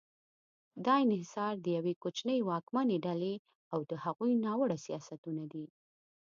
دا انحصار د یوې کوچنۍ واکمنې ډلې او د هغوی ناوړه سیاستونه دي.